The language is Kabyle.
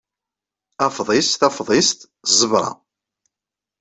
Afḍis, tafḍist, ẓẓebra.